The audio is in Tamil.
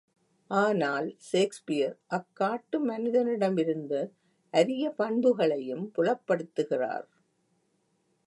ஆனால் சேக்ஸ்பியர் அக் காட்டு மனிதனிடமிருந்த அரிய பண்புகளையும் புலப்படுத்துகிறார்.